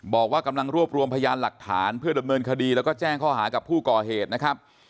บอกว่ากำลังรวบรวมพยานหลักฐานเพื่อดำเนินคดีแล้วก็แจ้งข้อหากับผู้ก่อเหตุนะครับ